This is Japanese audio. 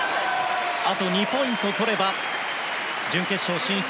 あと２ポイント取れば準決勝進出。